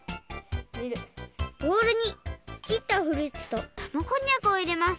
ボウルにきったフルーツとたまこんにゃくをいれます。